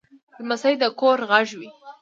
لمسی د کور غږ وي.